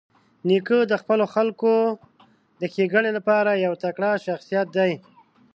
نیکه د خپلو خلکو د ښېګڼې لپاره یو تکړه شخصیت دی.